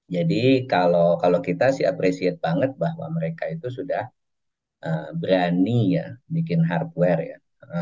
jadi kalau kita sih appreciate banget bahwa mereka itu sudah berani ya bikin hardware ya